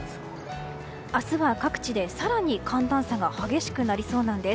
明日は各地で更に寒暖差が激しくなりそうです。